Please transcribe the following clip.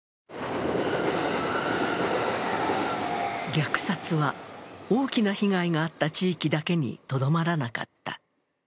虐殺は大きな被害があった地域だけにとどまらなかった。